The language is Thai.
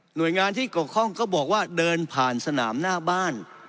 โดยงานที่เกี่ยวข้องก็บอกว่าเดินผ่านสนามหน้าบ้าน